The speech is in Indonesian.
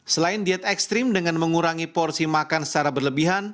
selain diet ekstrim dengan mengurangi porsi makan secara berlebihan